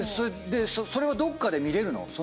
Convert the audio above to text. それはどっかで見れるの？